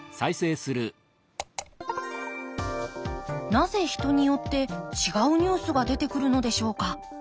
なぜ人によって違うニュースが出てくるのでしょうか。